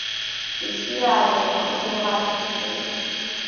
比西埃人口变化图示